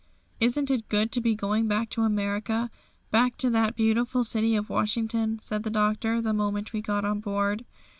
"Isn't it good to be going back to America, back to that beautiful city of Washington," said the Doctor, the moment we got on board.